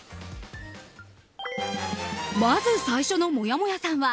最初のもやもやさんは